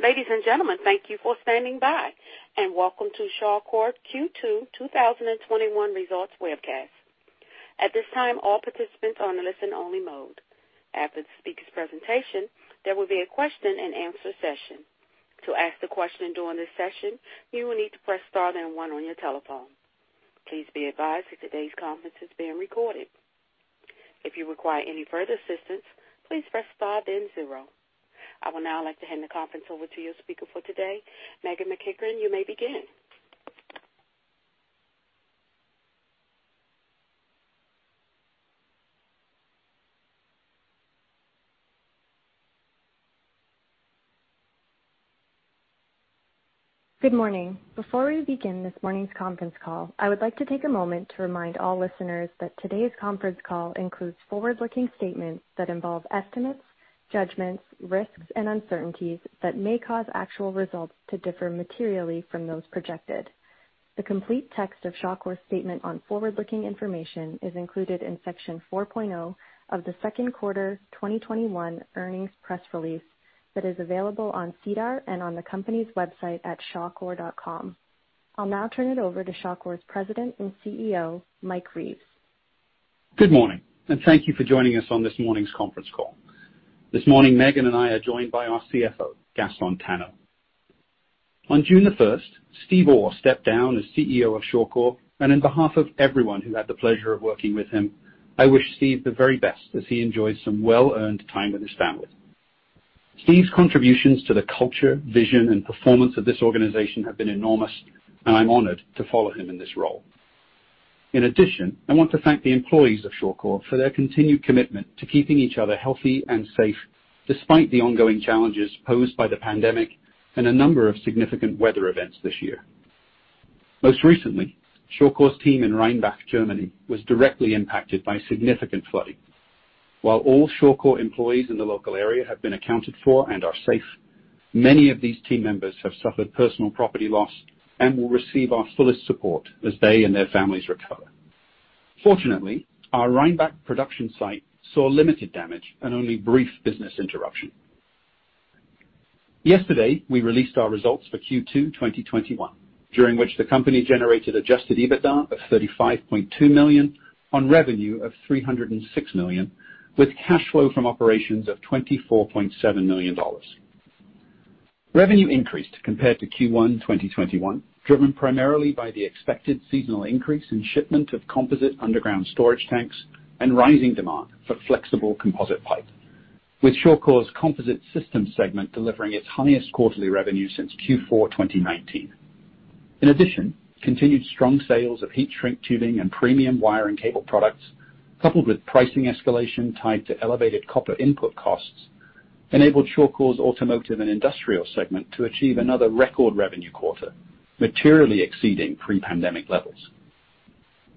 Ladies and gentlemen, thank you for standing by and welcome to Shawcor's Q2 2021 Results Webcast. At this time, all participants are on listen only mode. After the speaker's presentation, there will be a question and answer session. To ask the question during this session, you will need to press star then one on your telephone. Please be advised that today's conference is being recorded. If you require any further assistance, please press star then zero. I would now like to hand the conference over to your speaker for today. Meghan MacEachern, you may begin. Good morning. Before we begin this morning's conference call, I would like to take a moment to remind all listeners that today's conference call includes forward-looking statements that involve estimates, judgments, risks, and uncertainties that may cause actual results to differ materially from those projected. The complete text of Shawcor's statement on forward-looking information is included in Section 4.0 of the second quarter 2021 earnings press release that is available on SEDAR and on the company's website at shawcor.com. I'll now turn it over to Shawcor's President and Chief Executive Officer, Mike Reeves. Good morning, thank you for joining us on this morning's conference call. This morning, Meghan and I are joined by our CFO, Gaston Tano. On June 1st, Steve Orr stepped down as CEO of Shawcor, and on behalf of everyone who had the pleasure of working with him, I wish Steve the very best as he enjoys some well-earned time with his family. Steve's contributions to the culture, vision, and performance of this organization have been enormous, and I'm honored to follow him in this role. In addition, I want to thank the employees of Shawcor for their continued commitment to keeping each other healthy and safe, despite the ongoing challenges posed by the pandemic and a number of significant weather events this year. Most recently, Shawcor's team in Rheinbach, Germany was directly impacted by significant flooding. While all Shawcor employees in the local area have been accounted for and are safe, many of these team members have suffered personal property loss and will receive our fullest support as they and their families recover. Fortunately, our Rheinbach production site saw limited damage and only brief business interruption. Yesterday, we released our results for Q2 2021, during which the company generated adjusted EBITDA of 35.2 million on revenue of 306 million, with cash flow from operations of 24.7 million dollars. Revenue increased compared to Q1 2021, driven primarily by the expected seasonal increase in shipment of composite underground storage tanks and rising demand for flexible composite pipe, with Shawcor's Composite Systems segment delivering its highest quarterly revenue since Q4 2019. In addition, continued strong sales of heat shrink tubing and premium wire and cable products, coupled with pricing escalation tied to elevated copper input costs, enabled Shawcor's Automotive & Industrial segment to achieve another record revenue quarter, materially exceeding pre-pandemic levels.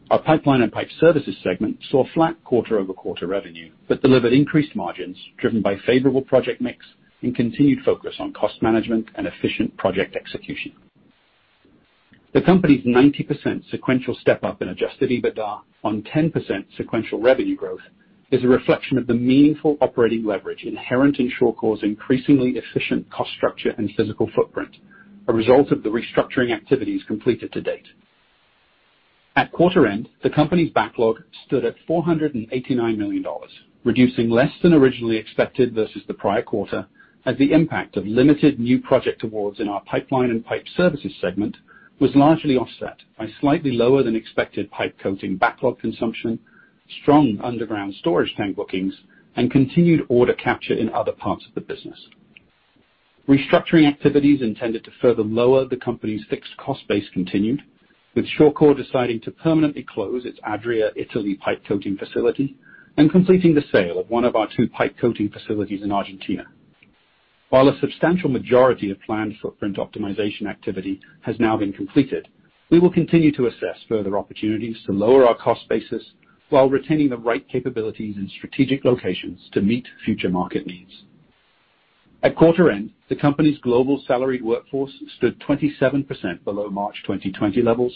Our Pipeline & Pipe Services segment saw flat quarter-over-quarter revenue but delivered increased margins driven by favorable project mix and continued focus on cost management and efficient project execution. The company's 90% sequential step-up in adjusted EBITDA on 10% sequential revenue growth is a reflection of the meaningful operating leverage inherent in Shawcor's increasingly efficient cost structure and physical footprint, a result of the restructuring activities completed to date. At quarter end, the company's backlog stood at 489 million dollars, reducing less than originally expected versus the prior quarter as the impact of limited new project awards in our Pipeline & Pipe Services segment was largely offset by slightly lower than expected pipe coating backlog consumption, strong underground storage tank bookings, and continued order capture in other parts of the business. Restructuring activities intended to further lower the company's fixed cost base continued, with Shawcor deciding to permanently close its Adria, Italy pipe coating facility and completing the sale of one of our two pipe coating facilities in Argentina. While a substantial majority of planned footprint optimization activity has now been completed, we will continue to assess further opportunities to lower our cost basis while retaining the right capabilities in strategic locations to meet future market needs. At quarter end, the company's global salaried workforce stood 27% below March 2020 levels,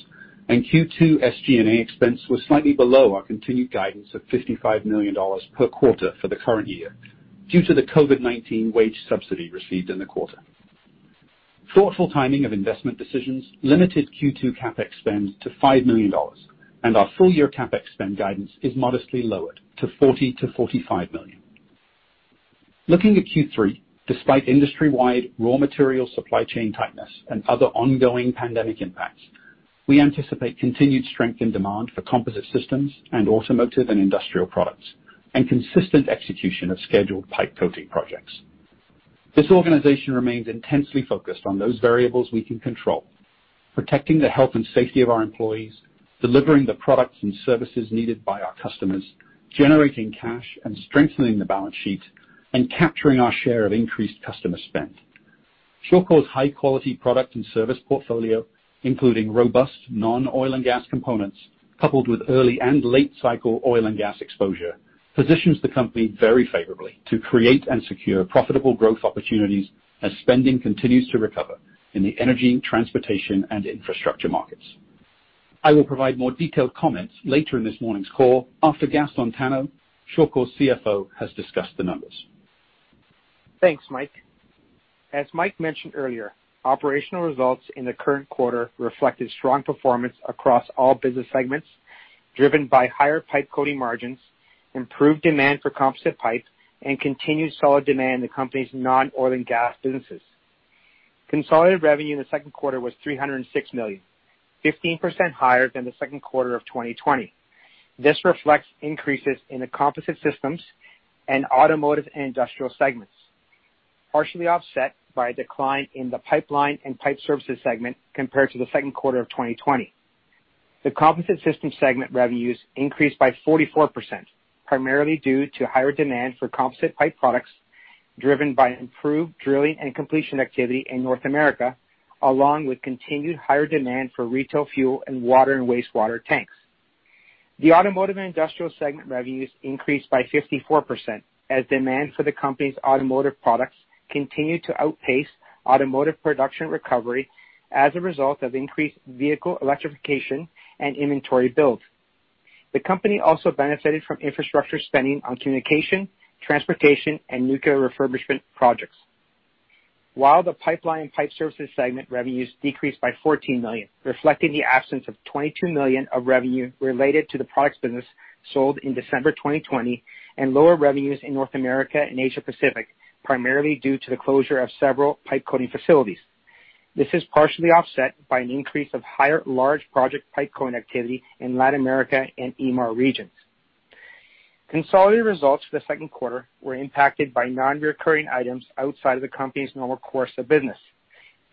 and Q2 SG&A expense was slightly below our continued guidance of 55 million dollars per quarter for the current year due to the COVID-19 wage subsidy received in the quarter. Thoughtful timing of investment decisions limited Q2 CapEx spend to 5 million dollars, and our full year CapEx spend guidance is modestly lowered to 40 million-45 million. Looking at Q3, despite industry-wide raw material supply chain tightness and other ongoing pandemic impacts, we anticipate continued strength in demand for Composite Systems and Automotive & Industrial products, and consistent execution of scheduled pipe coating projects. This organization remains intensely focused on those variables we can control. Protecting the health and safety of our employees, delivering the products and services needed by our customers, generating cash and strengthening the balance sheet, and capturing our share of increased customer spend. Shawcor's high quality product and service portfolio, including robust non-oil and gas components coupled with early and late cycle oil and gas exposure, positions the company very favorably to create and secure profitable growth opportunities as spending continues to recover in the energy, transportation, and infrastructure markets. I will provide more detailed comments later in this morning's call after Gaston Tano, Shawcor's CFO, has discussed the numbers. Thanks, Mike. As Mike mentioned earlier, operational results in the current quarter reflected strong performance across all business segments, driven by higher pipe coating margins, improved demand for composite pipe, and continued solid demand in the company's non-oil and gas businesses. Consolidated revenue in the second quarter was 306 million, 15% higher than the second quarter of 2020. This reflects increases in the Composite Systems and Automotive & Industrial segments, partially offset by a decline in the Pipeline & Pipe Services segment compared to the second quarter of 2020. The Composite Systems segment revenues increased by 44%, primarily due to higher demand for composite pipe products driven by improved drilling and completion activity in North America, along with continued higher demand for retail fuel and water and wastewater tanks. The Automotive & Industrial segment revenues increased by 54% as demand for the company's automotive products continued to outpace automotive production recovery as a result of increased vehicle electrification and inventory build. The company also benefited from infrastructure spending on communication, transportation, and nuclear refurbishment projects. While the Pipeline & Pipe Services segment revenues decreased by CAD 14 million, reflecting the absence of CAD 22 million of revenue related to the products business sold in December 2020 and lower revenues in North America and Asia Pacific, primarily due to the closure of several pipe coating facilities. This is partially offset by an increase of higher large project pipe coating activity in Latin America and EMEA regions. Consolidated results for the second quarter were impacted by non-recurring items outside of the company's normal course of business.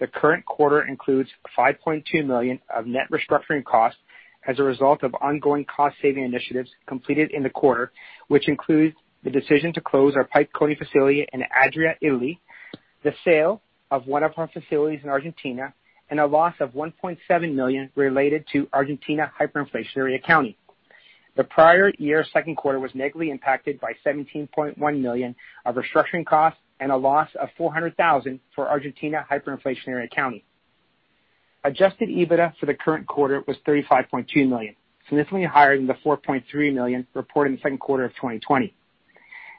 The current quarter includes 5.2 million of net restructuring costs as a result of ongoing cost-saving initiatives completed in the quarter, which includes the decision to close our pipe coating facility in Adria, Italy, the sale of one of our facilities in Argentina, and a loss of 1.7 million related to Argentina hyperinflationary accounting. The prior year's second quarter was negatively impacted by 17.1 million of restructuring costs and a loss of 400,000 for Argentina hyperinflationary accounting. Adjusted EBITDA for the current quarter was 35.2 million, significantly higher than the 4.3 million reported in the second quarter of 2020.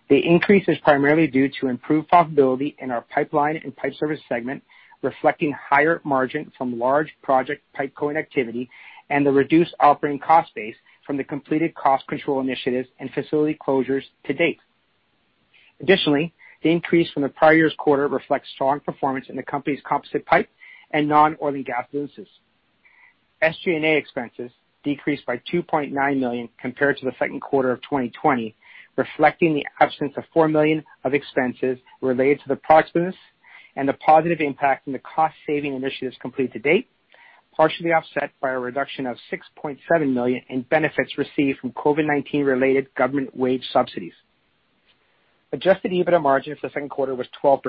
The increase is primarily due to improved profitability in our Pipeline & Pipe Services segment, reflecting higher margin from large project pipe coating activity and the reduced operating cost base from the completed cost control initiatives and facility closures to date. Additionally, the increase from the prior year's quarter reflects strong performance in the company's composite pipe and non-oil and gas businesses. SG&A expenses decreased by 2.9 million compared to the second quarter of 2020, reflecting the absence of 4 million of expenses related to the products business and the positive impact from the cost-saving initiatives completed to date, partially offset by a reduction of 6.7 million in benefits received from COVID-19 related government wage subsidies. Adjusted EBITDA margin for the second quarter was 12%,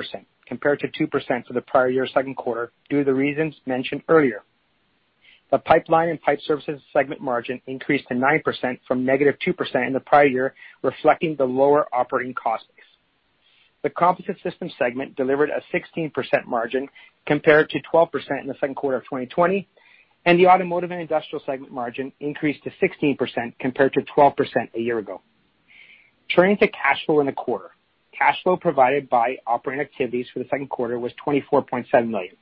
compared to 2% for the prior year's second quarter, due to the reasons mentioned earlier. The Pipeline & Pipe Services segment margin increased to 9% from -2% in the prior year, reflecting the lower operating cost base. The Composite Systems segment delivered a 16% margin compared to 12% in the second quarter of 2020, and the Automotive & Industrial segment margin increased to 16% compared to 12% a year ago. Turning to cash flow in the quarter. Cash flow provided by operating activities for the second quarter was 24.7 million,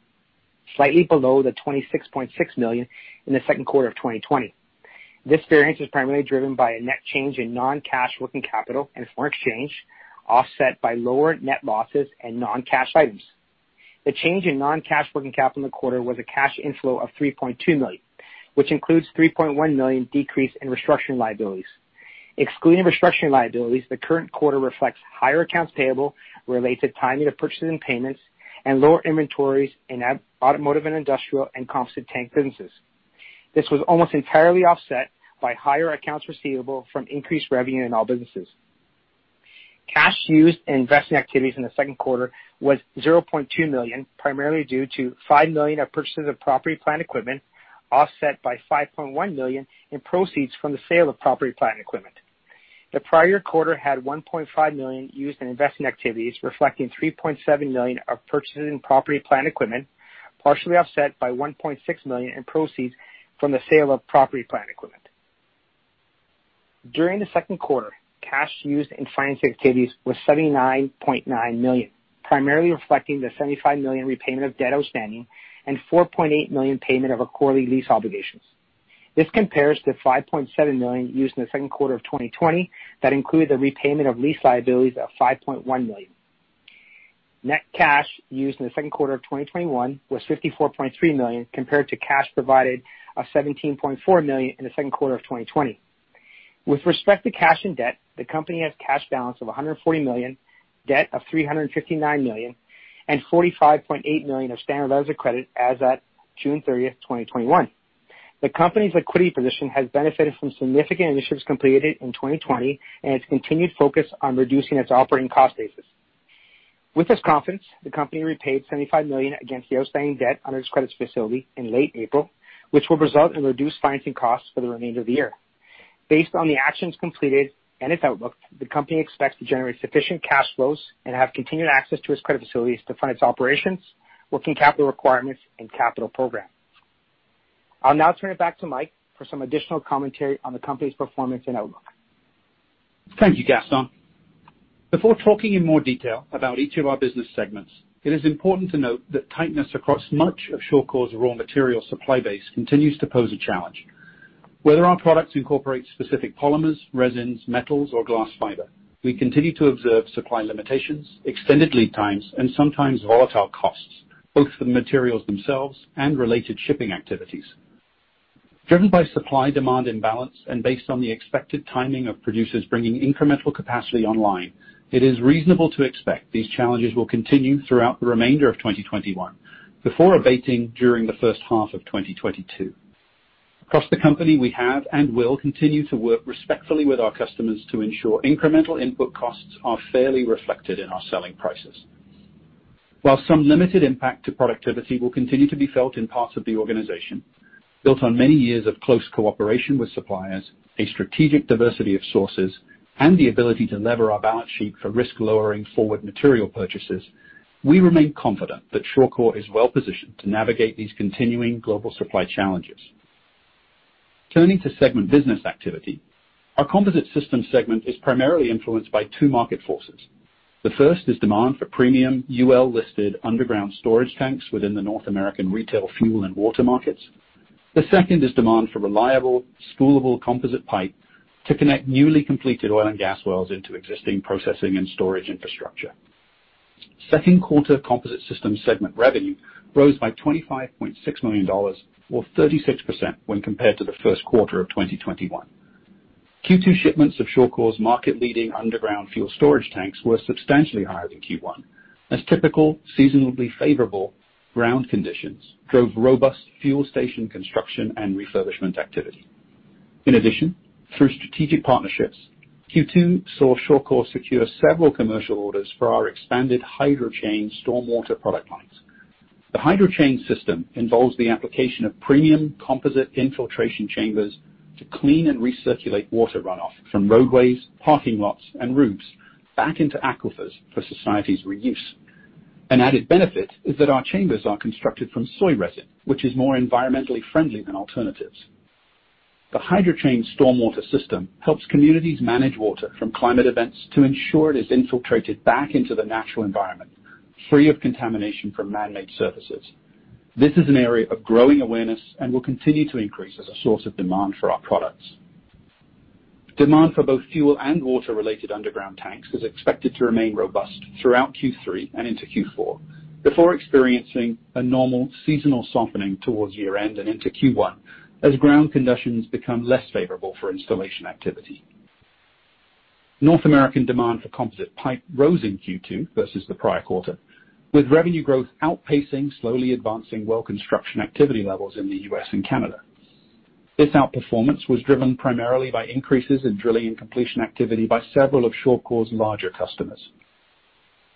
slightly below the 26.6 million in the second quarter of 2020. This variance was primarily driven by a net change in non-cash working capital and foreign exchange, offset by lower net losses and non-cash items. The change in non-cash working capital in the quarter was a cash inflow of 3.2 million, which includes 3.1 million decrease in restructuring liabilities. Excluding restructuring liabilities, the current quarter reflects higher accounts payable related to timing of purchases and payments and lower inventories in Automotive & Industrial and composite tank businesses. This was almost entirely offset by higher accounts receivable from increased revenue in all businesses. Cash used in investing activities in the second quarter was 0.2 million, primarily due to 5 million of purchases of property plant equipment, offset by 5.1 million in proceeds from the sale of property plant equipment. The prior quarter had 1.5 million used in investing activities, reflecting 3.7 million of purchases in property plant equipment, partially offset by 1.6 million in proceeds from the sale of property plant equipment. During the second quarter, cash used in financing activities was 79.9 million, primarily reflecting the 75 million repayment of debt outstanding and 4.8 million payment of our quarterly lease obligations. This compares to 5.7 million used in the second quarter of 2020 that included the repayment of lease liabilities of 5.1 million. Net cash used in the second quarter of 2021 was 54.3 million, compared to cash provided of 17.4 million in the second quarter of 2020. With respect to cash and debt, the company has cash balance of 140 million, debt of 359 million, and 45.8 million of standard letters of credit as at June 30th, 2021. The company's liquidity position has benefited from significant initiatives completed in 2020 and its continued focus on reducing its operating cost basis. With this confidence, the company repaid CAD 75 million against the outstanding debt under its credits facility in late April, which will result in reduced financing costs for the remainder of the year. Based on the actions completed and its outlook, the company expects to generate sufficient cash flows and have continued access to its credit facilities to fund its operations, working capital requirements, and capital program. I'll now turn it back to Mike for some additional commentary on the company's performance and outlook. Thank you, Gaston. Before talking in more detail about each of our business segments, it is important to note that tightness across much of Shawcor's raw material supply base continues to pose a challenge. Whether our products incorporate specific polymers, resins, metals, or glass fiber, we continue to observe supply limitations, extended lead times, and sometimes volatile costs, both for the materials themselves and related shipping activities. Driven by supply-demand imbalance and based on the expected timing of producers bringing incremental capacity online, it is reasonable to expect these challenges will continue throughout the remainder of 2021, before abating during the first half of 2022. Across the company, we have and will continue to work respectfully with our customers to ensure incremental input costs are fairly reflected in our selling prices. While some limited impact to productivity will continue to be felt in parts of the organization, built on many years of close cooperation with suppliers, a strategic diversity of sources, and the ability to lever our balance sheet for risk-lowering forward material purchases, we remain confident that Shawcor is well-positioned to navigate these continuing global supply challenges. Turning to segment business activity, our Composite Systems segment is primarily influenced by two market forces. The first is demand for premium UL-listed underground storage tanks within the North American retail fuel and water markets. The second is demand for reliable spoolable composite pipe to connect newly completed oil and gas wells into existing processing and storage infrastructure. Second quarter Composite Systems segment revenue rose by 25.6 million dollars, or 36% when compared to the first quarter of 2021. Q2 shipments of Shawcor's market-leading underground fuel storage tanks were substantially higher than Q1, as typical seasonably favorable ground conditions drove robust fuel station construction and refurbishment activity. In addition, through strategic partnerships, Q2 saw Shawcor secure several commercial orders for our expanded HydroChain stormwater product lines. The HydroChain system involves the application of premium composite infiltration chambers to clean and recirculate water runoff from roadways, parking lots, and roofs back into aquifers for society's reuse. An added benefit is that our chambers are constructed from soy resin, which is more environmentally friendly than alternatives. The HydroChain stormwater system helps communities manage water from climate events to ensure it is infiltrated back into the natural environment, free of contamination from man-made surfaces. This is an area of growing awareness and will continue to increase as a source of demand for our products. Demand for both fuel and water-related underground tanks is expected to remain robust throughout Q3 and into Q4, before experiencing a normal seasonal softening towards year-end and into Q1 as ground conditions become less favorable for installation activity. North American demand for composite pipe rose in Q2 versus the prior quarter, with revenue growth outpacing slowly advancing well construction activity levels in the U.S. and Canada. This outperformance was driven primarily by increases in drilling and completion activity by several of Shawcor's larger customers.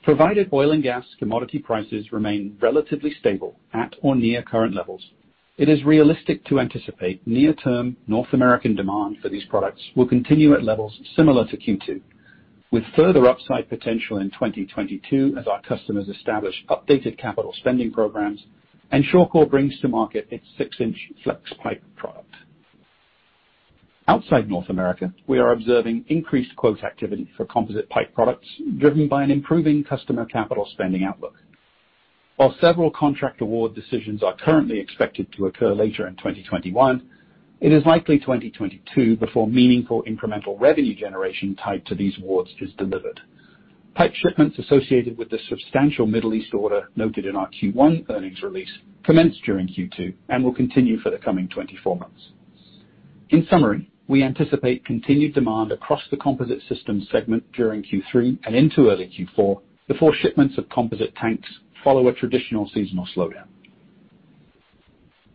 Provided oil and gas commodity prices remain relatively stable at or near current levels, it is realistic to anticipate near-term North American demand for these products will continue at levels similar to Q2, with further upside potential in 2022 as our customers establish updated CapEx programs and Shawcor brings to market its 6-in Flexpipe product. Outside North America, we are observing increased quote activity for composite pipe products driven by an improving customer capital spending outlook. While several contract award decisions are currently expected to occur later in 2021, it is likely 2022 before meaningful incremental revenue generation tied to these awards is delivered. Pipe shipments associated with the substantial Middle East order noted in our Q1 earnings release commenced during Q2 and will continue for the coming 24 months. In summary, we anticipate continued demand across the Composite Systems segment during Q3 and into early Q4, before shipments of composite tanks follow a traditional seasonal slowdown.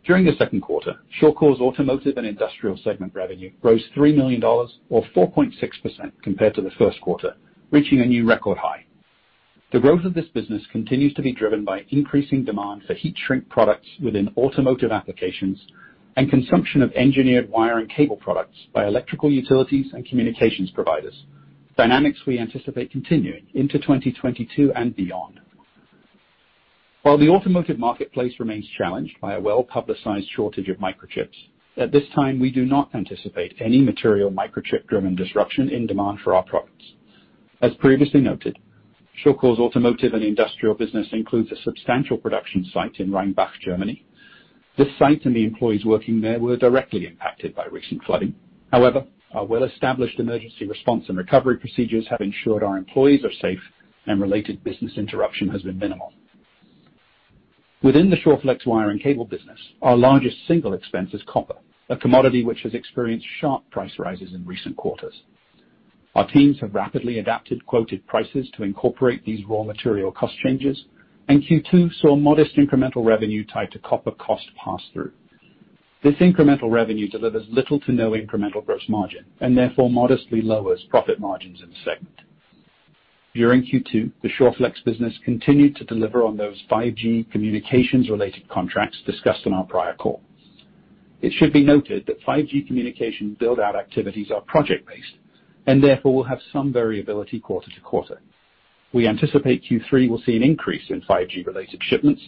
During the second quarter, Shawcor's Automotive & Industrial segment revenue rose 3 million dollars, or 4.6% compared to the first quarter, reaching a new record high. The growth of this business continues to be driven by increasing demand for heat shrink products within automotive applications and consumption of engineered wire and cable products by electrical utilities and communications providers, dynamics we anticipate continuing into 2022 and beyond. While the automotive marketplace remains challenged by a well-publicized shortage of microchips, at this time, we do not anticipate any material microchip-driven disruption in demand for our products. As previously noted, Shawcor's Automotive & Industrial business includes a substantial production site in Rheinbach, Germany. This site and the employees working there were directly impacted by recent flooding. Our well-established emergency response and recovery procedures have ensured our employees are safe and related business interruption has been minimal. Within the ShawFlex wire and cable business, our largest single expense is copper, a commodity which has experienced sharp price rises in recent quarters. Our teams have rapidly adapted quoted prices to incorporate these raw material cost changes, and Q2 saw modest incremental revenue tied to copper cost pass-through. This incremental revenue delivers little to no incremental gross margin, and therefore modestly lowers profit margins in the segment. During Q2, the ShawFlex business continued to deliver on those 5G communications related contracts discussed on our prior call. It should be noted that 5G communication build-out activities are project-based, and therefore will have some variability quarter to quarter. We anticipate Q3 will see an increase in 5G related shipments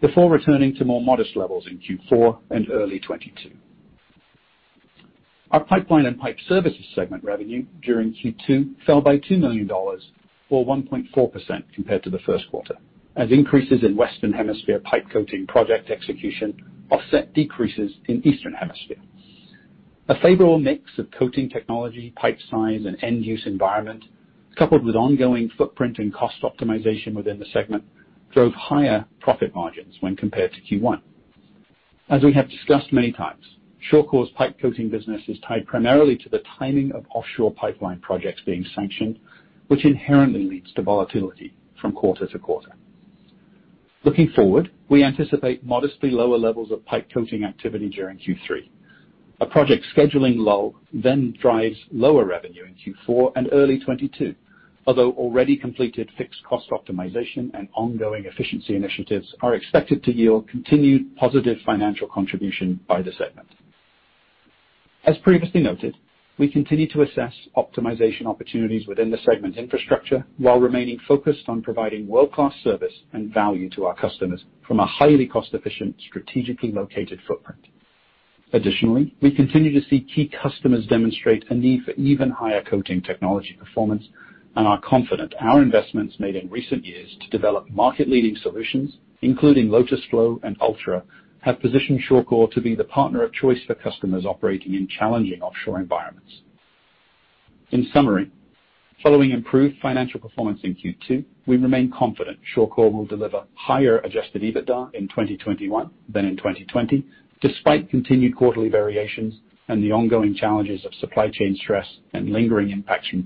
before returning to more modest levels in Q4 and early 2022. Our Pipeline & Pipe Services segment revenue during Q2 fell by 2 million dollars, or 1.4% compared to the first quarter, as increases in Western Hemisphere pipe coating project execution offset decreases in Eastern Hemisphere. A favorable mix of coating technology, pipe size, and end-use environment, coupled with ongoing footprint and cost optimization within the segment, drove higher profit margins when compared to Q1. As we have discussed many times, Shawcor's pipe coating business is tied primarily to the timing of offshore pipeline projects being sanctioned, which inherently leads to volatility from quarter to quarter. Looking forward, we anticipate modestly lower levels of pipe coating activity during Q3. A project scheduling lull then drives lower revenue in Q4 and early 2022, although already completed fixed cost optimization and ongoing efficiency initiatives are expected to yield continued positive financial contribution by the segment. As previously noted, we continue to assess optimization opportunities within the segment infrastructure while remaining focused on providing world-class service and value to our customers from a highly cost-efficient, strategically located footprint. Additionally, we continue to see key customers demonstrate a need for even higher coating technology performance and are confident our investments made in recent years to develop market-leading solutions, including LotusFlo and ULTRA, have positioned Shawcor to be the partner of choice for customers operating in challenging offshore environments. In summary, following improved financial performance in Q2, we remain confident Shawcor will deliver higher adjusted EBITDA in 2021 than in 2020, despite continued quarterly variations and the ongoing challenges of supply chain stress and lingering impacts from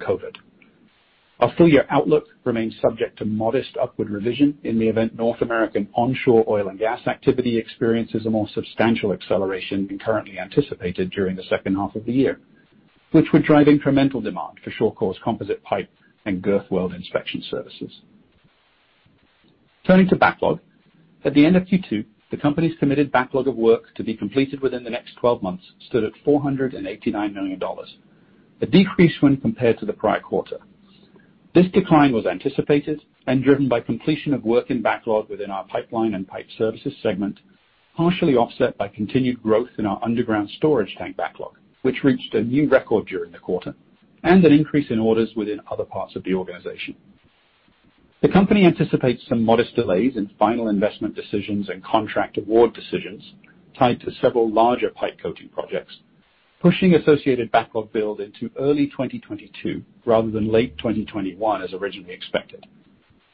COVID-19. Our full-year outlook remains subject to modest upward revision in the event North American onshore oil and gas activity experiences a more substantial acceleration than currently anticipated during the second half of the year, which would drive incremental demand for Shawcor's composite pipe and girth weld inspection services. Turning to backlog, at the end of Q2, the company's committed backlog of work to be completed within the next 12 months stood at 489 million dollars, a decrease when compared to the prior quarter. This decline was anticipated and driven by completion of work in backlog within our Pipeline & Pipe Services segment, partially offset by continued growth in our underground storage tank backlog, which reached a new record during the quarter, and an increase in orders within other parts of the organization. The company anticipates some modest delays in final investment decisions and contract award decisions tied to several larger pipe coating projects, pushing associated backlog build into early 2022 rather than late 2021 as originally expected.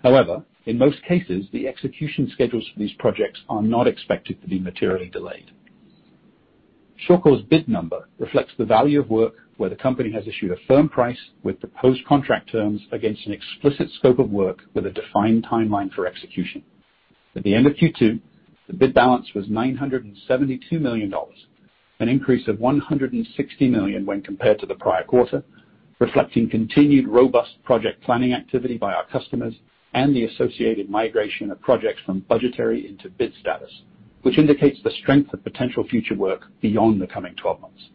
However, in most cases, the execution schedules for these projects are not expected to be materially delayed. Shawcor's bid number reflects the value of work where the company has issued a firm price with the post-contract terms against an explicit scope of work with a defined timeline for execution. At the end of Q2, the bid balance was 972 million dollars, an increase of 160 million when compared to the prior quarter, reflecting continued robust project planning activity by our customers and the associated migration of projects from budgetary into bid status. Which indicates the strength of potential future work beyond the coming 12 months.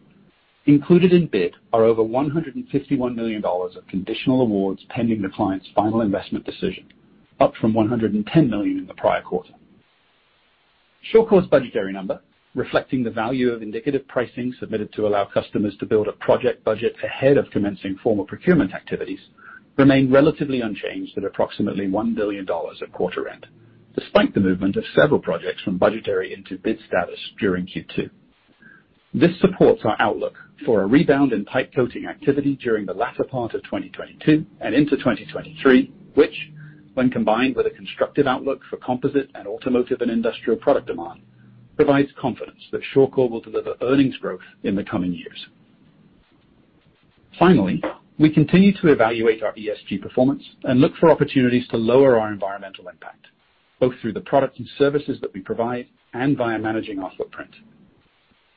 Included in bid are over 151 million dollars of conditional awards pending the client's final investment decision, up from 110 million in the prior quarter. Shawcor's budgetary number, reflecting the value of indicative pricing submitted to allow customers to build a project budget ahead of commencing formal procurement activities, remained relatively unchanged at approximately 1 billion dollars at quarter end, despite the movement of several projects from budgetary into bid status during Q2. This supports our outlook for a rebound in pipe coating activity during the latter part of 2022 and into 2023, which, when combined with a constructive outlook for Composite Systems and Automotive & Industrial product demand, provides confidence that Shawcor will deliver earnings growth in the coming years. Finally, we continue to evaluate our ESG performance and look for opportunities to lower our environmental impact, both through the products and services that we provide and via managing our footprint.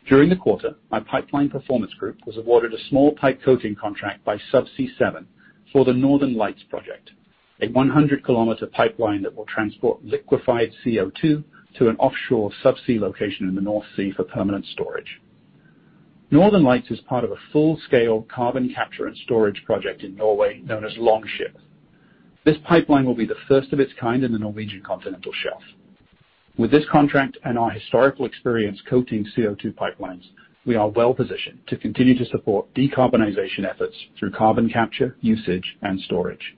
During the quarter, our Pipeline & Pipe Services group was awarded a small pipe coating contract by Subsea7 for the Northern Lights project, a 100 km pipeline that will transport liquified CO2 to an offshore subsea location in the North Sea for permanent storage. Northern Lights is part of a full-scale carbon capture and storage project in Norway known as Longship. This pipeline will be the first of its kind in the Norwegian continental shelf. With this contract and our historical experience coating CO2 pipelines, we are well positioned to continue to support decarbonization efforts through carbon capture, usage, and storage.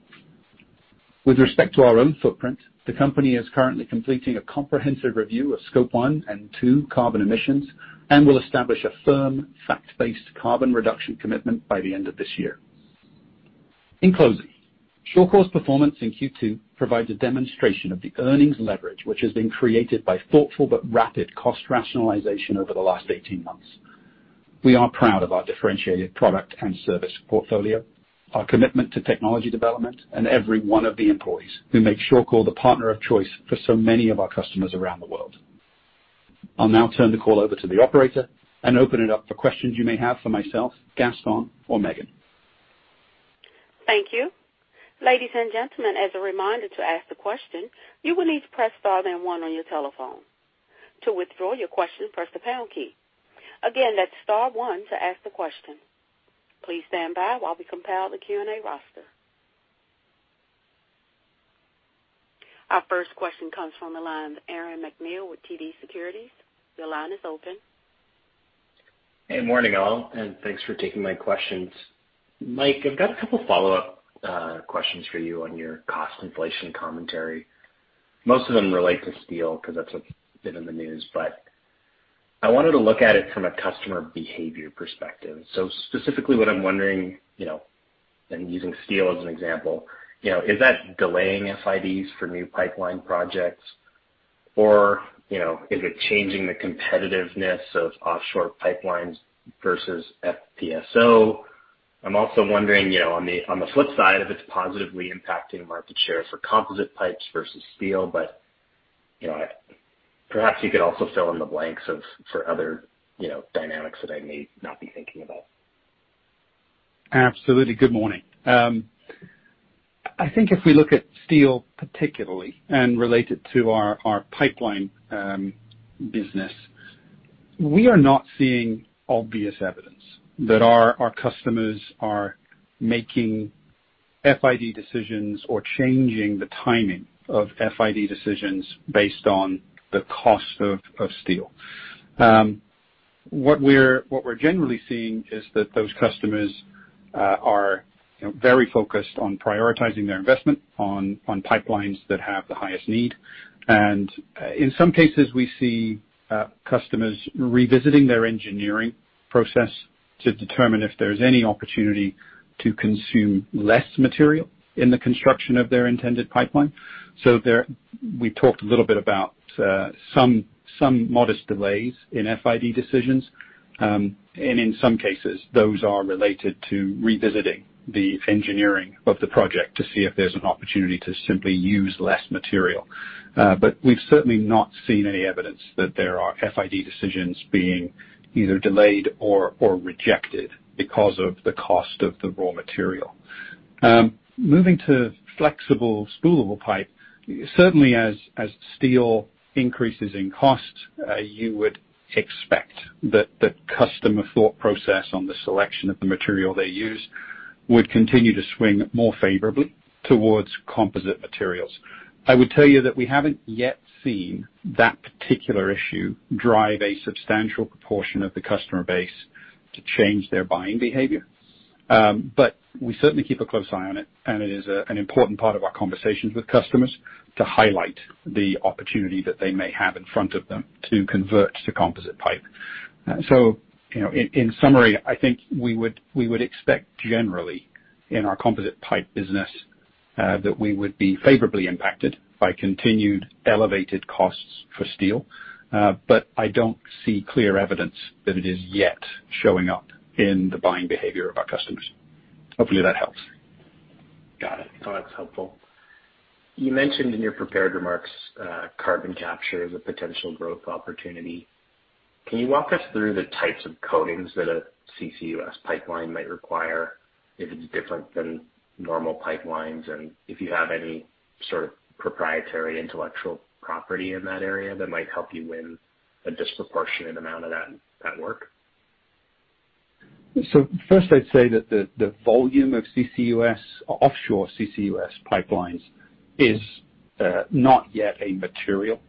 With respect to our own footprint, the company is currently completing a comprehensive review of Scope one and two carbon emissions and will establish a firm fact-based carbon reduction commitment by the end of this year. In closing, Shawcor's performance in Q2 provides a demonstration of the earnings leverage which has been created by thoughtful but rapid cost rationalization over the last 18 months. We are proud of our differentiated product and service portfolio, our commitment to technology development, and every one of the employees who make Shawcor the partner of choice for so many of our customers around the world. I'll now turn the call over to the operator and open it up for questions you may have for myself, Gaston, or Meghan. Thank you. Ladies and gentlemen, as a reminder, to ask the question, you will need to press star then one on your telephone. To withdraw your question, press the pound key. Again, that's star one to ask the question. Please stand by while we compile the Q&A roster. Our first question comes from the line of Aaron MacNeil with TD Securities. Your line is open. Hey, morning, all. Thanks for taking my questions. Mike, I've got a couple follow-up questions for you on your cost inflation commentary. Most of them relate to steel, because that's been in the news. I wanted to look at it from a customer behavior perspective. Specifically what I'm wondering, and using steel as an example, is that delaying FIDs for new pipeline projects or is it changing the competitiveness of offshore pipelines versus FPSO? I'm also wondering, on the flip side, if it's positively impacting market share for composite pipes versus steel. Perhaps you could also fill in the blanks for other dynamics that I may not be thinking about. Absolutely. Good morning. I think if we look at steel particularly and relate it to our pipeline business, we are not seeing obvious evidence that our customers are making FID decisions or changing the timing of FID decisions based on the cost of steel. What we're generally seeing is that those customers are very focused on prioritizing their investment on pipelines that have the highest need. In some cases, we see customers revisiting their engineering process to determine if there's any opportunity to consume less material in the construction of their intended pipeline. We talked a little bit about some modest delays in FID decisions, and in some cases, those are related to revisiting the engineering of the project to see if there's an opportunity to simply use less material. We've certainly not seen any evidence that there are FID decisions being either delayed or rejected because of the cost of the raw material. Moving to flexible spoolable pipe, certainly as steel increases in cost, you would expect that the customer thought process on the selection of the material they use would continue to swing more favorably towards composite materials. I would tell you that we haven't yet seen that particular issue drive a substantial proportion of the customer base to change their buying behavior. We certainly keep a close eye on it, and it is an important part of our conversations with customers to highlight the opportunity that they may have in front of them to convert to composite pipe. In summary, I think we would expect generally in our composite pipe business, that we would be favorably impacted by continued elevated costs for steel. I don't see clear evidence that it is yet showing up in the buying behavior of our customers. Hopefully that helps. Got it. No, that's helpful. You mentioned in your prepared remarks carbon capture as a potential growth opportunity. Can you walk us through the types of coatings that a CCUS pipeline might require, if it's different than normal pipelines, and if you have any sort of proprietary intellectual property in that area that might help you win a disproportionate amount of that work? First I'd say that the volume of offshore CCUS pipelines is not yet a material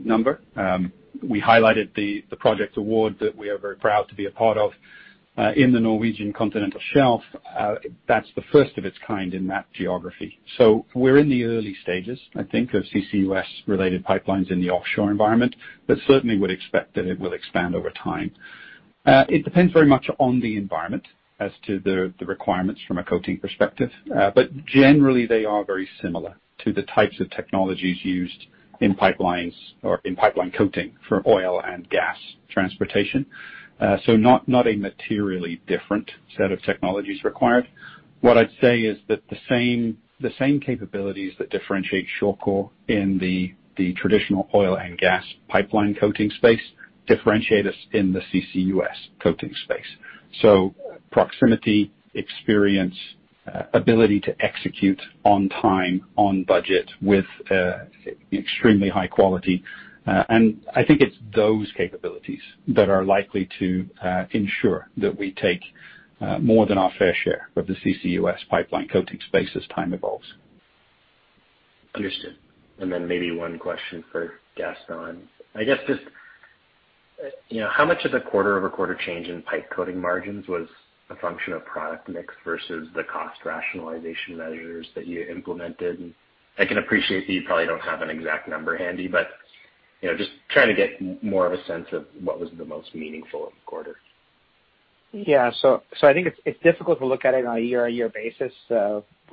number. We highlighted the project award that we are very proud to be a part of, in the Norwegian Continental Shelf. That's the first of its kind in that geography. We're in the early stages, I think, of CCUS-related pipelines in the offshore environment. Certainly would expect that it will expand over time. It depends very much on the environment as to the requirements from a coating perspective. Generally they are very similar to the types of technologies used in pipelines or in pipeline coating for oil and gas transportation. Not a materially different set of technologies required. What I'd say is that the same capabilities that differentiate Shawcor in the traditional oil and gas pipeline coating space differentiate us in the CCUS coating space. Proximity, experience, ability to execute on time, on budget, with extremely high quality. I think it's those capabilities that are likely to ensure that we take more than our fair share of the CCUS pipeline coating space as time evolves. Understood. Maybe one question for Gaston. I guess just how much of the quarter-over-quarter change in pipe coating margins was a function of product mix versus the cost rationalization measures that you implemented? I can appreciate that you probably don't have an exact number handy, but just trying to get more of a sense of what was the most meaningful quarter. Yeah. I think it's difficult to look at it on a year-on-year basis.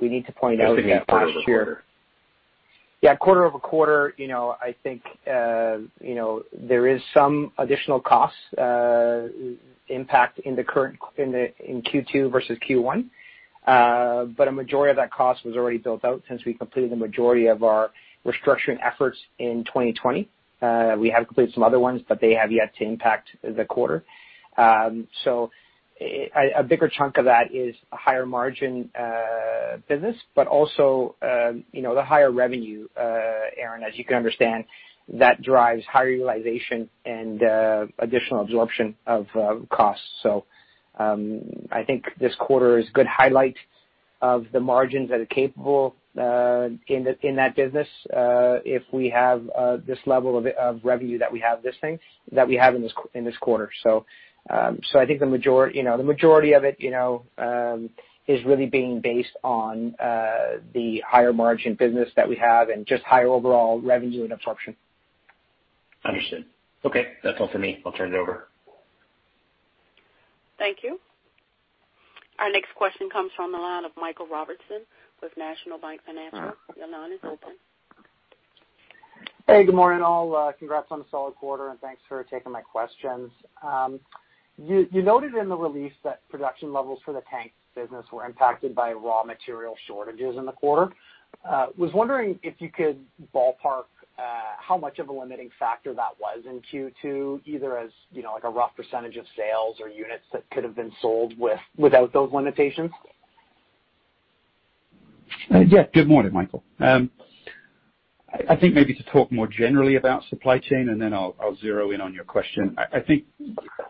We need to point out that last year. Just thinking quarter-over-quarter. Yeah, quarter-over-quarter, I think there is some additional cost impact in Q2 versus Q1. A majority of that cost was already built out since we completed the majority of our restructuring efforts in 2020. We have completed some other ones, but they have yet to impact the quarter. A bigger chunk of that is a higher margin business, but also the higher revenue, Aaron, as you can understand, that drives higher utilization and additional absorption of costs. I think this quarter is a good highlight of the margins that are capable in that business if we have this level of revenue that we have in this quarter. I think the majority of it is really being based on the higher margin business that we have and just higher overall revenue and absorption. Understood. Okay, that's all for me. I'll turn it over. Thank you. Our next question comes from the line of Michael Robertson with National Bank Financial. Your line is open. Hey, good morning, all. Congrats on a solid quarter, and thanks for taking my questions. You noted in the release that production levels for the tank business were impacted by raw material shortages in the quarter. Was wondering if you could ballpark how much of a limiting factor that was in Q2, either as a rough percentage of sales or units that could have been sold without those limitations? Yeah. Good morning, Michael. I think maybe to talk more generally about supply chain, then I'll zero in on your question. I think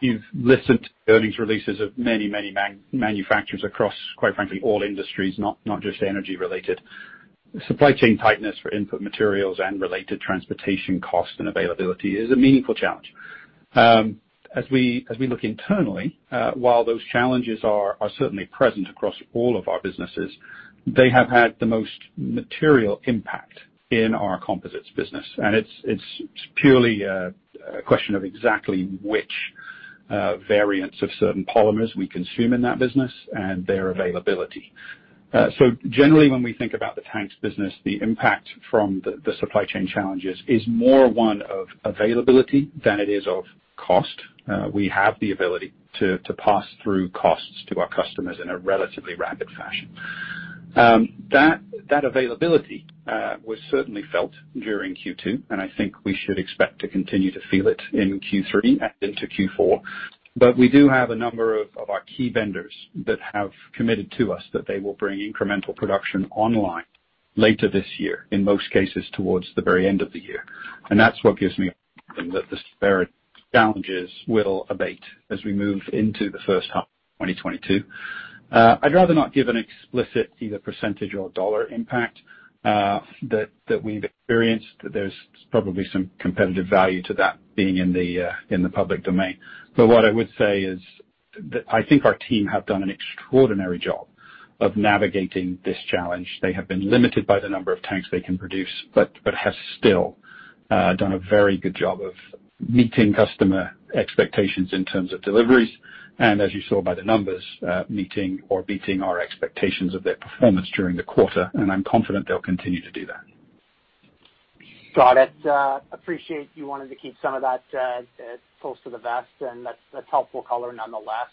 you've listened to earnings releases of many, many manufacturers across, quite frankly, all industries, not just energy related. Supply chain tightness for input materials and related transportation cost and availability is a meaningful challenge. As we look internally, while those challenges are certainly present across all of our businesses, they have had the most material impact in our Composite Systems. It's purely a question of exactly which variants of certain polymers we consume in that business and their availability. Generally, when we think about the tanks business, the impact from the supply chain challenges is more one of availability than it is of cost. We have the ability to pass through costs to our customers in a relatively rapid fashion. That availability was certainly felt during Q2, and I think we should expect to continue to feel it in Q3 and into Q4. We do have a number of our key vendors that have committed to us that they will bring incremental production online later this year, in most cases towards the very end of the year. That's what gives me that the disparate challenges will abate as we move into the first half of 2022. I'd rather not give an explicit either percentage or dollar impact that we've experienced. There's probably some competitive value to that being in the public domain. What I would say is that I think our team have done an extraordinary job of navigating this challenge. They have been limited by the number of tanks they can produce, but have still done a very good job of meeting customer expectations in terms of deliveries, and as you saw by the numbers, meeting or beating our expectations of their performance during the quarter, and I'm confident they'll continue to do that. Got it. Appreciate you wanted to keep some of that close to the vest, and that's helpful color nonetheless.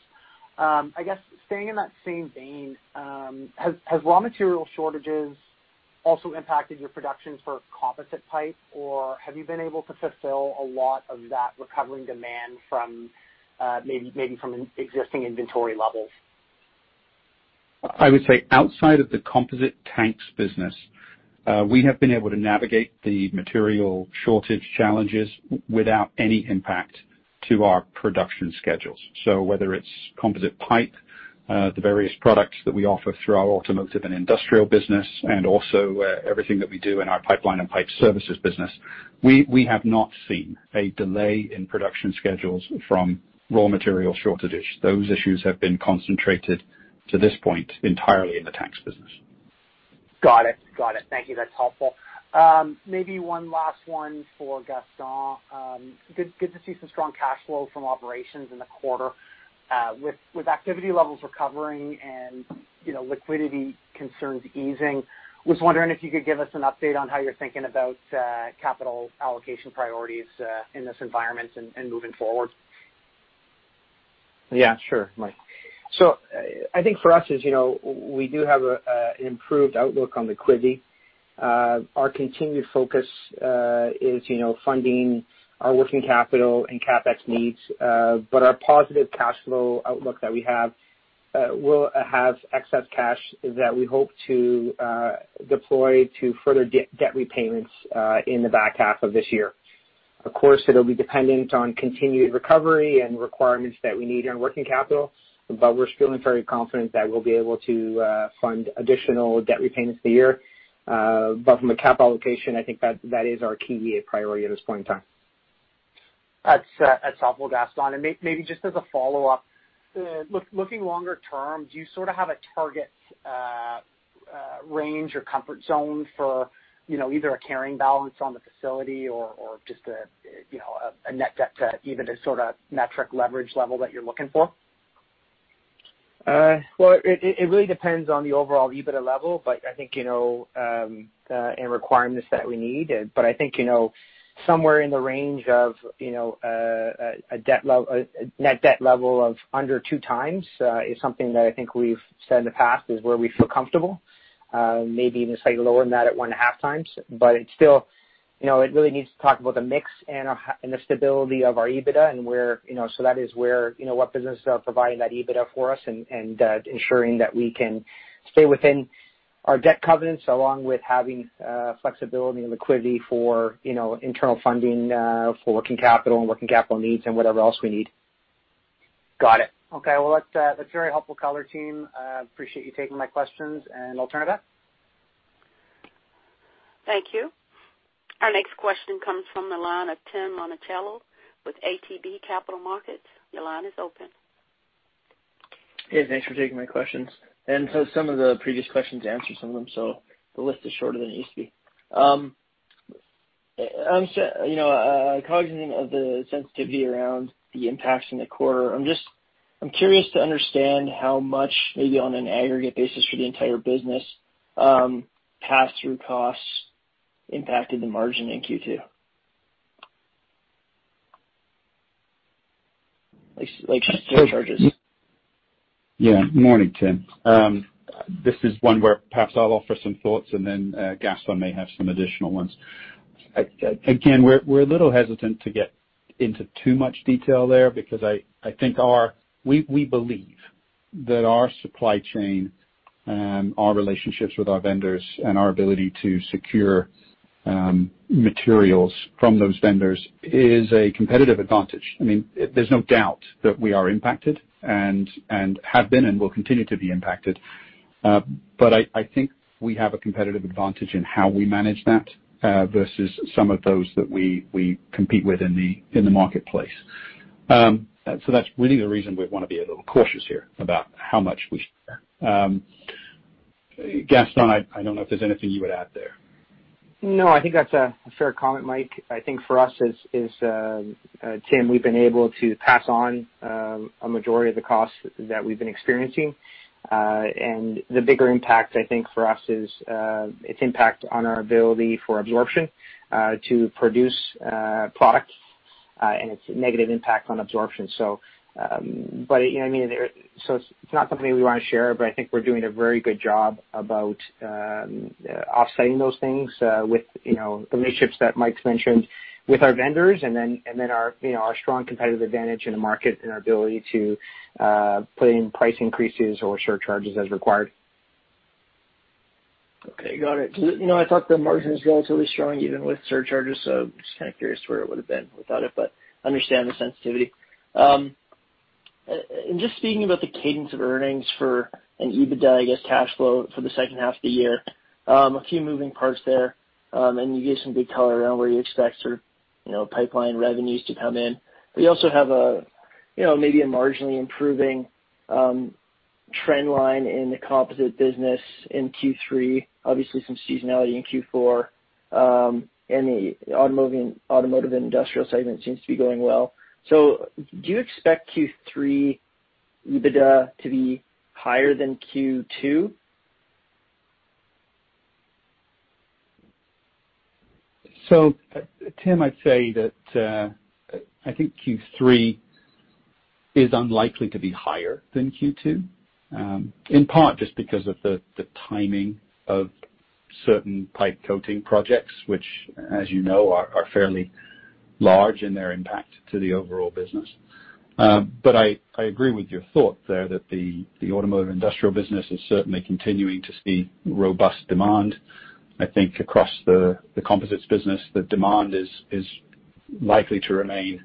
I guess staying in that same vein, has raw material shortages also impacted your production for composite pipe? Have you been able to fulfill a lot of that recovering demand from maybe from existing inventory levels? I would say outside of the composite tanks business, we have been able to navigate the material shortage challenges without any impact to our production schedules. Whether it's composite pipe, the various products that we offer through our Automotive & Industrial business, and also everything that we do in our Pipeline & Pipe Services business, we have not seen a delay in production schedules from raw material shortages. Those issues have been concentrated to this point entirely in the tanks business. Got it. Thank you. That's helpful. Maybe one last one for Gaston. Good to see some strong cash flow from operations in the quarter. With activity levels recovering and liquidity concerns easing, was wondering if you could give us an update on how you're thinking about capital allocation priorities in this environment and moving forward. Yeah, sure, Mike. I think for us, as you know, we do have an improved outlook on liquidity. Our continued focus is funding our working capital and CapEx needs, but our positive cash flow outlook that we have will have excess cash that we hope to deploy to further debt repayments in the back half of this year. Of course, it'll be dependent on continued recovery and requirements that we need in working capital, but we're feeling very confident that we'll be able to fund additional debt repayments for the year. From a capital allocation, I think that is our key priority at this point in time. That's helpful, Gaston. Maybe just as a follow-up, looking longer term, do you sort of have a target range or comfort zone for either a carrying balance on the facility or just a net debt to even a sort of metric leverage level that you're looking for? Well, it really depends on the overall EBITDA level, and requirements that we need. I think somewhere in the range of a net debt level of under 2x is something that I think we've said in the past is where we feel comfortable. Maybe even slightly lower than that at 1.5x. It really needs to talk about the mix and the stability of our EBITDA, that is what businesses are providing that EBITDA for us and ensuring that we can stay within our debt covenants, along with having flexibility and liquidity for internal funding for working capital and working capital needs and whatever else we need. Got it. Okay, well that's very helpful color, team. Appreciate you taking my questions. I'll turn it over. Thank you. Our next question comes from the line of Tim Monachello with ATB Capital Markets. Your line is open. Hey, thanks for taking my questions. Some of the previous questions answered some of them, so the list is shorter than it used to be. Cognizant of the sensitivity around the impacts in the quarter, I'm curious to understand how much, maybe on an aggregate basis for the entire business, pass-through costs impacted the margin in Q2. Like surcharges. Yeah. Morning, Tim. This is one where perhaps I'll offer some thoughts and then Gaston may have some additional ones. Again, we're a little hesitant to get into too much detail there because we believe that our supply chain and our relationships with our vendors and our ability to secure materials from those vendors is a competitive advantage. There's no doubt that we are impacted, and have been, and will continue to be impacted. I think we have a competitive advantage in how we manage that versus some of those that we compete with in the marketplace. That's really the reason we want to be a little cautious here about how much we share. Gaston, I don't know if there's anything you would add there. No, I think that's a fair comment, Mike. I think for us, Tim, we've been able to pass on a majority of the costs that we've been experiencing. The bigger impact, I think, for us is its impact on our ability for absorption to produce products, and its negative impact on absorption. It's not something we want to share, but I think we're doing a very good job about offsetting those things with the relationships that Mike's mentioned with our vendors, and then our strong competitive advantage in the market and our ability to put in price increases or surcharges as required. Got it. I thought the margin was relatively strong even with surcharges, just kind of curious where it would have been without it, but understand the sensitivity. Just speaking about the cadence of earnings for an EBITDA, I guess, cash flow for the second half of the year. A few moving parts there. You gave some good color around where you expect certain pipeline revenues to come in. You also have maybe a marginally improving trend line in the Composite Systems business in Q3, obviously some seasonality in Q4, and the Automotive & Industrial segment seems to be going well. Do you expect Q3 EBITDA to be higher than Q2? Tim, I'd say that I think Q3 is unlikely to be higher than Q2, in part just because of the timing of certain pipe coating projects, which as you know, are fairly large in their impact to the overall business. I agree with your thought there that the Automotive & Industrial business is certainly continuing to see robust demand. I think across the Composite Systems business, the demand is likely to remain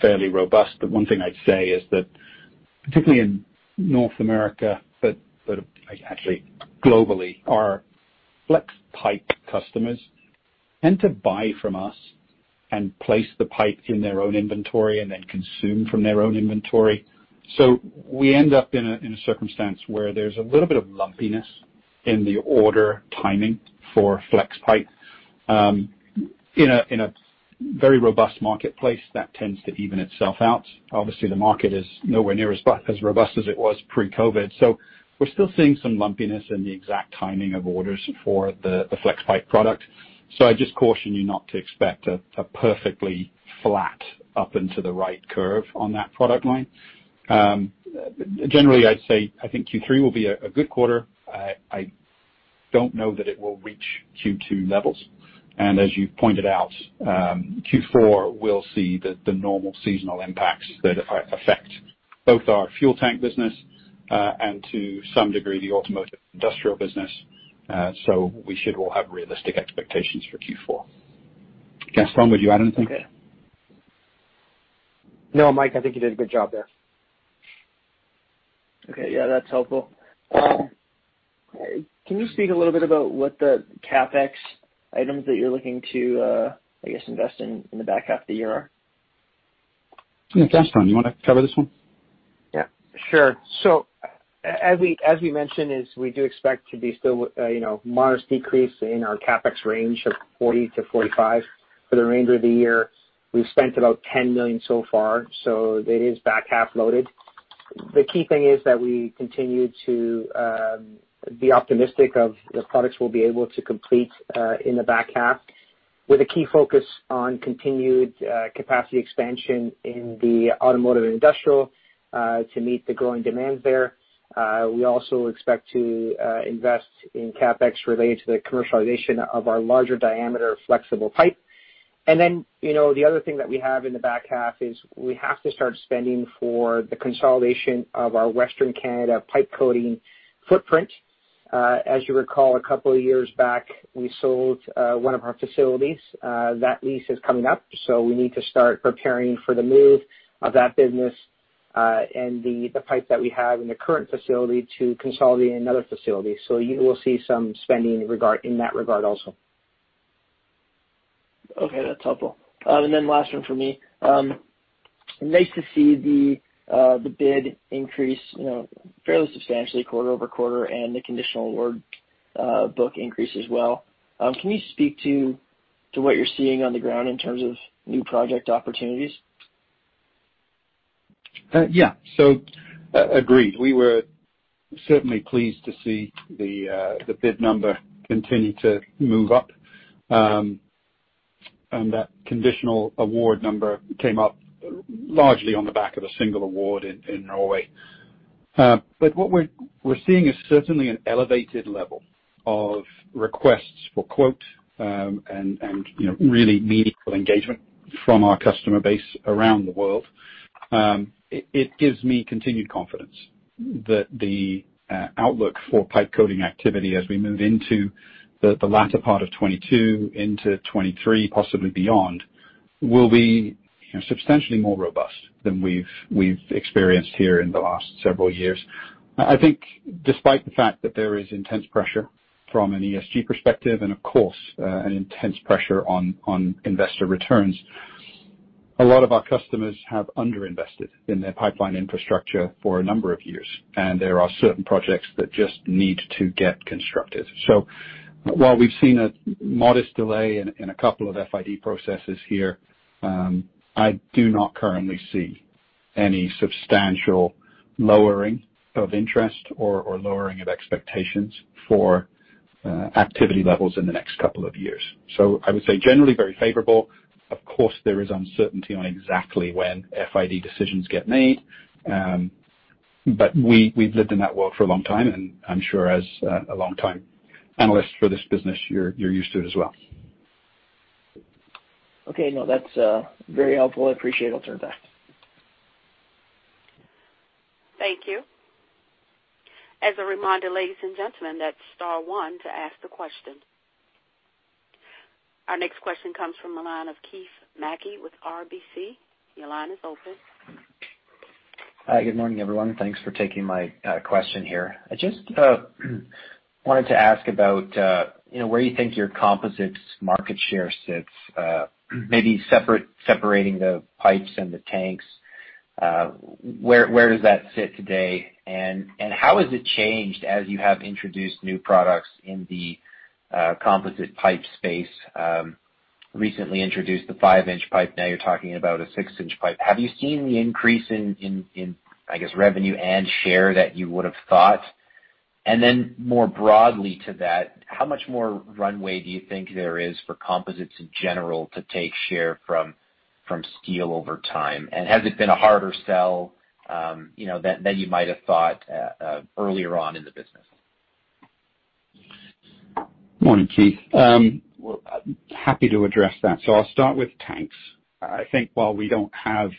fairly robust. One thing I'd say is that, particularly in North America, but actually globally, our flex pipe customers tend to buy from us and place the pipe in their own inventory and then consume from their own inventory. We end up in a circumstance where there's a little bit of lumpiness in the order timing for flex pipe. In a very robust marketplace, that tends to even itself out. Obviously, the market is nowhere near as robust as it was pre-COVID-19, so we're still seeing some lumpiness in the exact timing of orders for the flex pipe product. I'd just caution you not to expect a perfectly flat up and to the right curve on that product line. Generally, I'd say I think Q3 will be a good quarter. I don't know that it will reach Q2 levels. As you pointed out, Q4 will see the normal seasonal impacts that affect both our fuel tank business, and to some degree, the Automotive & Industrial business. We should all have realistic expectations for Q4. Gaston, would you add anything? No, Mike, I think you did a good job there. Okay. Yeah, that's helpful. Can you speak a little bit about what the CapEx items that you're looking to, I guess, invest in the back half of the year are? Yeah. Gaston, you want to cover this one? Yeah, sure. As we mentioned, we do expect to be still modest decrease in our CapEx range of 40 million-45 million. For the remainder of the year, we've spent about 10 million so far. It is back-half loaded. The key thing is that we continue to be optimistic of the projects we'll be able to complete in the back half, with a key focus on continued capacity expansion in the Automotive & Industrial to meet the growing demand there. We also expect to invest in CapEx related to the commercialization of our larger diameter flexible pipe. The other thing that we have in the back half is we have to start spending for the consolidation of our Western Canada pipe coating footprint. As you recall, a couple of years back, we sold one of our facilities. That lease is coming up. We need to start preparing for the move of that business, and the pipe that we have in the current facility to consolidate another facility. You will see some spending in that regard also. Okay, that's helpful. Last one from me. Nice to see the bid increase fairly substantially quarter-over-quarter and the conditional award book increase as well. Can you speak to what you're seeing on the ground in terms of new project opportunities? Yeah. Agreed. We were certainly pleased to see the bid number continue to move up. That conditional award number came up largely on the back of a single award in Norway. What we're seeing is certainly an elevated level of requests for quote, and really meaningful engagement from our customer base around the world. It gives me continued confidence that the outlook for pipe coating activity as we move into the latter part of 2022 into 2023, possibly beyond, will be substantially more robust than we've experienced here in the last several years. I think despite the fact that there is intense pressure from an ESG perspective, and of course, an intense pressure on investor returns, a lot of our customers have under-invested in their pipeline infrastructure for a number of years, and there are certain projects that just need to get constructed. While we've seen a modest delay in a couple of FID processes here, I do not currently see any substantial lowering of interest or lowering of expectations for activity levels in the next couple of years. I would say generally very favorable. Of course, there is uncertainty on exactly when FID decisions get made. We've lived in that world for a long time, and I'm sure as a long time analyst for this business, you're used to it as well. Okay. No, that's very helpful. I appreciate it. I'll turn it back. Thank you. As a reminder, ladies and gentlemen, that's star one to ask the question. Our next question comes from the line of Keith Mackey with RBC. Your line is open. Hi, good morning, everyone. Thanks for taking my question here. I just wanted to ask about where you think your composites market share sits, maybe separating the pipes and the tanks. Where does that sit today, and how has it changed as you have introduced new products in the composite pipe space? Recently introduced the 5-in pipe. Now you're talking about a 6-in pipe. Have you seen the increase in, I guess, revenue and share that you would've thought? Then more broadly to that, how much more runway do you think there is for composites in general to take share from steel over time? Has it been a harder sell than you might have thought earlier on in the business? Morning, Keith. Happy to address that. I'll start with tanks. I think while we don't have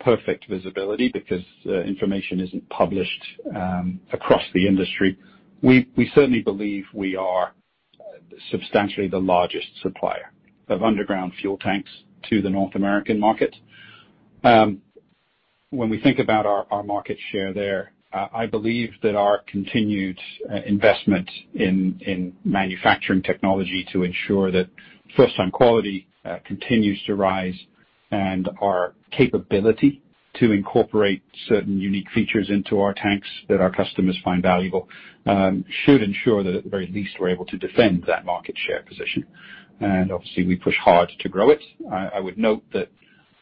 perfect visibility because information isn't published across the industry, we certainly believe we are substantially the largest supplier of underground fuel tanks to the North American market. When we think about our market share there, I believe that our continued investment in manufacturing technology to ensure that first-time quality continues to rise and our capability to incorporate certain unique features into our tanks that our customers find valuable should ensure that at the very least, we're able to defend that market share position. Obviously, we push hard to grow it. I would note that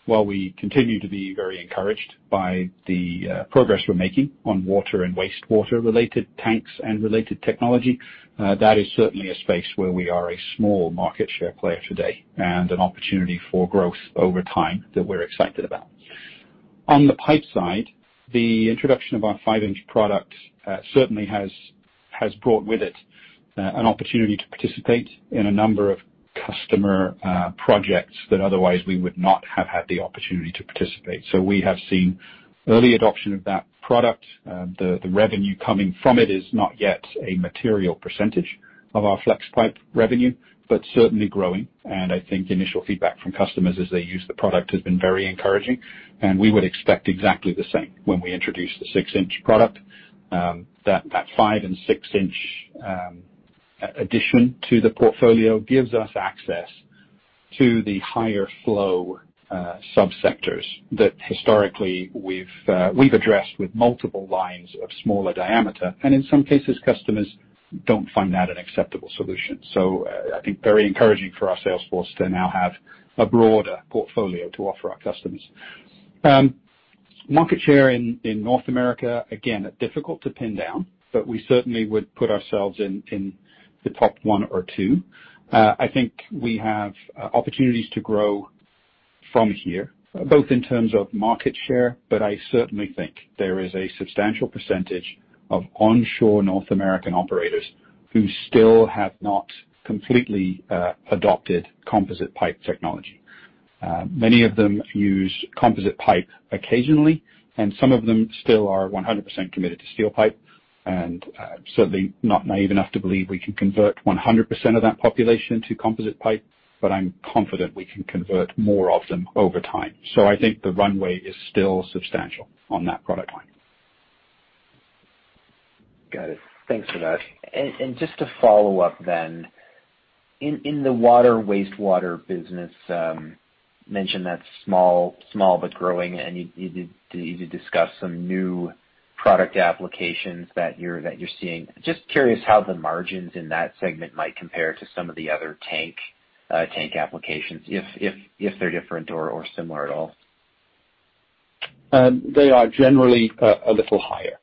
while we continue to be very encouraged by the progress we're making on water and wastewater related tanks and related technology, that is certainly a space where we are a small market share player today and an opportunity for growth over time that we're excited about. On the pipe side, the introduction of our 5-in product certainly has brought with it an opportunity to participate in a number of customer projects that otherwise we would not have had the opportunity to participate. We have seen early adoption of that product. The revenue coming from it is not yet a material percentage of our flex pipe revenue, but certainly growing. I think initial feedback from customers as they use the product has been very encouraging, and we would expect exactly the same when we introduce the 6-in product. That 5-in and 6-in addition to the portfolio gives us access to the higher flow sub-sectors that historically we've addressed with multiple lines of smaller diameter. In some cases, customers don't find that an acceptable solution. I think very encouraging for our sales force to now have a broader portfolio to offer our customers. Market share in North America, again, difficult to pin down, but we certainly would put ourselves in the top one or two. I think we have opportunities to grow from here, both in terms of market share, but I certainly think there is a substantial percentage of onshore North American operators who still have not completely adopted composite pipe technology. Many of them use composite pipe occasionally, and some of them still are 100% committed to steel pipe. Certainly not naive enough to believe we can convert 100% of that population to composite pipe, but I'm confident we can convert more of them over time. I think the runway is still substantial on that product line. Got it. Thanks for that. Just to follow up then, in the water, wastewater business, mentioned that's small but growing, and you did discuss some new product applications that you're seeing. Just curious how the margins in that segment might compare to some of the other tank applications, if they're different or similar at all. They are generally a little higher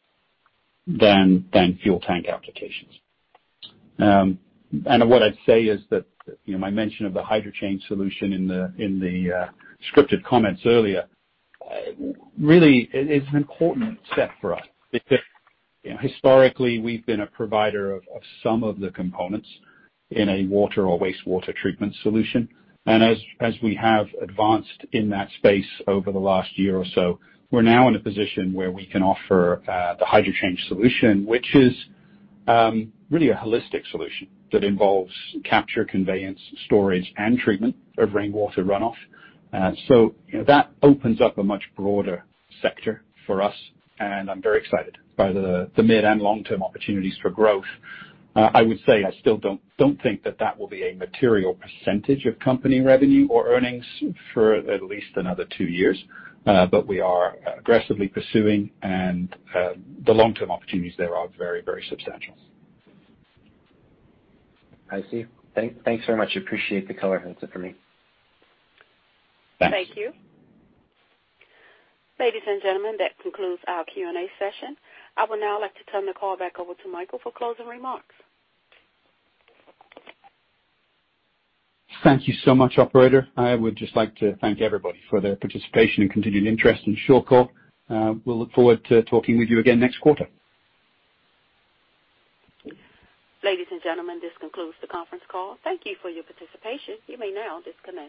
than fuel tank applications. What I'd say is that my mention of the HydroChain solution in the scripted comments earlier, really, it's an important step for us. Historically, we've been a provider of some of the components in a water or wastewater treatment solution. As we have advanced in that space over the last year or so, we're now in a position where we can offer the HydroChain solution, which is really a holistic solution that involves capture, conveyance, storage, and treatment of rainwater runoff. That opens up a much broader sector for us, and I'm very excited by the mid and long-term opportunities for growth. I would say I still don't think that that will be a material percentage of company revenue or earnings for at least another two years. We are aggressively pursuing, and the long-term opportunities there are very substantial. I see. Thanks very much. Appreciate the color. That's it for me. Thanks. Thank you. Ladies and gentlemen, that concludes our Q&A session. I would now like to turn the call back over to Michael for closing remarks. Thank you so much, operator. I would just like to thank everybody for their participation and continued interest in Shawcor. We'll look forward to talking with you again next quarter. Ladies and gentlemen, this concludes the conference call. Thank you for your participation. You may now disconnect.